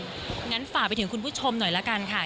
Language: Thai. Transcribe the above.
งั้นฝากไปถึงคุณผู้ชมหน่อยละกันค่ะ